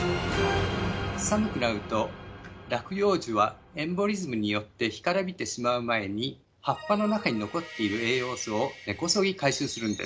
寒くなると落葉樹はエンボリズムによって干からびてしまう前に葉っぱの中に残っている栄養素を根こそぎ回収するんです。